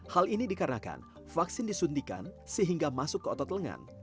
hal ini dikarenakan vaksin disuntikan sehingga masuk ke otot lengan